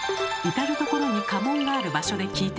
至る所に家紋がある場所で聞いてみました。